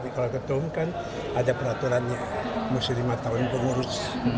kalau ketuung kan ada peraturannya mesti lima tahun pengurus